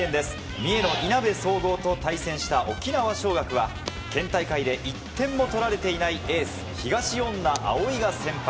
三重のいなべ総合と対戦した沖縄尚学は県大会で１点も取られていないエース、東恩納蒼が先発。